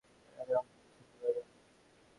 এটা নিয়ে আপাতত কিছুই বলা যাবে না।